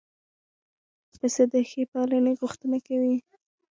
پسه د ښې پالنې غوښتنه کوي.